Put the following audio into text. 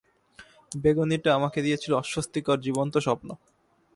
বেগুনীটা আমাকে দিয়েছিল অস্বস্তিকর জীবন্ত স্বপ্ন।